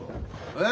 え？